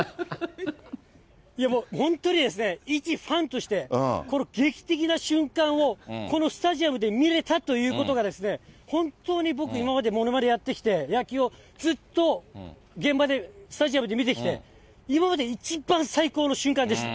いやもう本当に、いちファンとして、この劇的な瞬間を、このスタジアムで見れたということが、本当に僕、今までものまねやってきて、野球をずっと現場で、スタジアムで見てきて、今まで一番最高の瞬間でした。